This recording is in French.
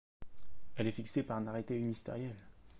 Elle est fixée par arrêté ministériel.